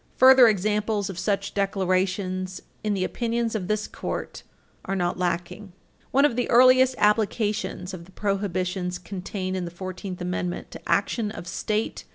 Further examples of such declarations in the opinions of this Court are not lacking. [Footnote 14] One of the earliest applications of the prohibitions contained in the Fourteenth Amendment to action of state Page 334 U.